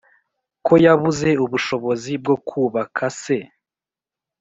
ko yabuze ubushobozi bwo kubaka se